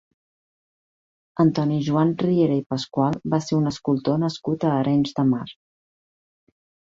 Antoni Joan Riera i Pascual va ser un escultor nascut a Arenys de Mar.